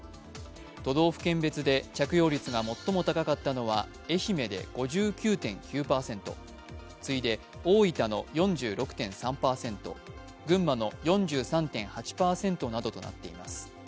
都道府県別で着用率が最も高かったのは愛媛で５９．９％、次いで、大分の４６．３％、群馬の４３．８％などとなっています。